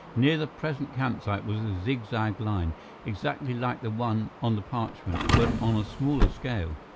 Near the present campsite was a zig zag line, exactly like the one on the parchment, but on a smaller scale.